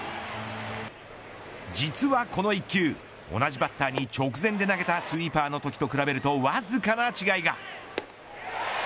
実はこの１球同じバッターに直前で投げたスイーパーのときと比べるとわずかな違いが。